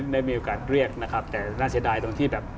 ได้มีโอกาสเรียกนะครับแต่น่าเสียดายตรงที่แบบ